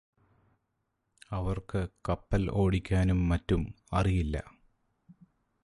അവർക്ക് കപ്പൽ ഓടിക്കാനും മറ്റും അറിയില്ല